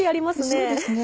そうですね。